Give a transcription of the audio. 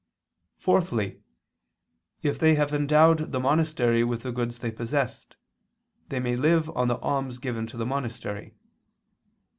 Fourthly, if they have endowed the monastery with the goods they possessed, they may live on the alms given to the monastery.